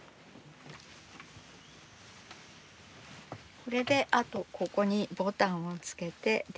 これであとここにボタンをつけて出来上がりです。